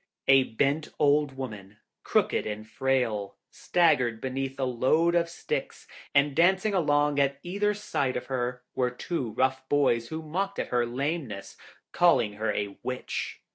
A bent old woman, crooked and frail, staggered beneath a load of sticks, and dancing along at either side of her, were two rough boys, who mocked at her lameness, calling her a Witch.